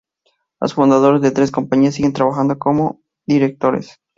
Los fundadores de las tres compañías siguen trabajando como directores.